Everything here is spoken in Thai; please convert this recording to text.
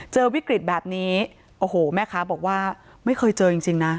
เจอวิกฤตแบบนี้โอ้โหแม่ค้าบอกว่าไม่เคยเจอจริงนะ